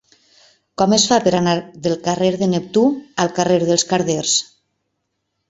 Com es fa per anar del carrer de Neptú al carrer dels Carders?